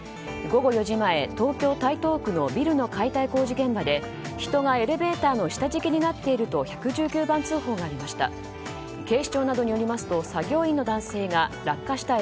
午後４時前、東京・台東区のビルの解体工事現場で人がエレベーターの下敷きになっていると１１９番通報がありました。